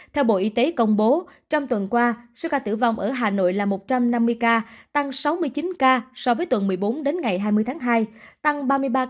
theo bộ y tế công bố trong tuần qua số ca tử vong ở hà nội là một trăm năm mươi ca tăng sáu mươi chín ca so với tuần một mươi bốn đến ngày hai mươi tháng hai